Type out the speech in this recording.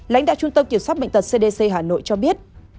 lãnh đạo trung tâm kiểm soát bệnh tật cdc hà nội cho biết